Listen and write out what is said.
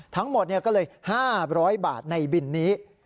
ทั้งหมดก็เลย๕๐๐บาทในบินนี้